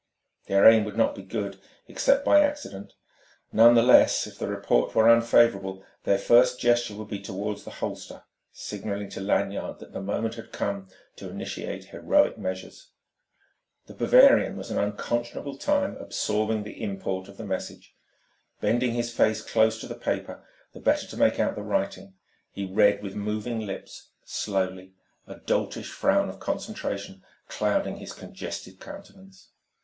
Their aim would not be good, except by accident. None the less, if the report were unfavourable, their first gesture would be toward the holster, signalling to Lanyard that the moment had come to initiate heroic measures. The Bavarian was an unconscionable time absorbing the import of the message. Bending his face close to the paper, the better to make out the writing, he read with moving lips, slowly, a doltish frown of concentration clouding his congested countenance.